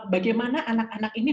bagaimana anak anak ini